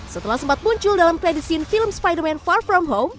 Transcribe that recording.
setelah sempat muncul dalam kredisi film spider man far from home